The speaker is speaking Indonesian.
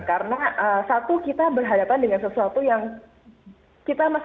karena satu kita berhadapan dengan sesuatu yang sangat berbeda